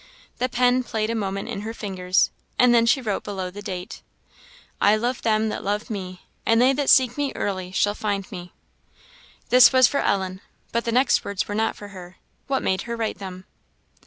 The pen played a moment in her fingers, and then she wrote below the date "I love them that love me; and they that seek me early shall find me." This was for Ellen; but the next words were not for her; what made her write them?